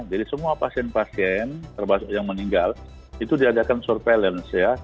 jadi semua pasien pasien yang meninggal itu diadakan surveillance ya